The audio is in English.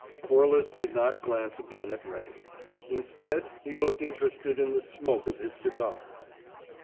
Corliss did not glance again at Ray; instead, he looked interested in the smoke of his cigar.